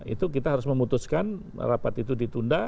itu kita harus memutuskan rapat itu ditunda